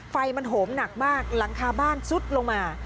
ไฟมันโหมหนักมากหลังคาบ้านซุดลงมา